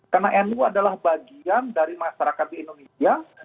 karena nu adalah bagian dari masyarakat di indonesia